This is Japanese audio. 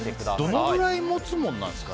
どれくらい持つものなんですか。